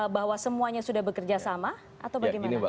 bahwa semuanya sudah bekerja sama atau bagaimana